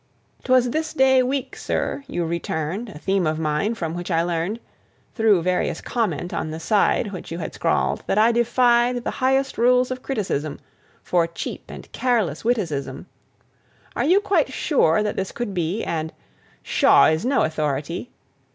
'Twas this day week, sir, you returned A theme of mine, from which I learned (Through various comment on the side Which you had scrawled) that I defied The highest rules of criticism For cheap and careless witticism.... 'Are you quite sure that this could be?' And 'Shaw is no authority!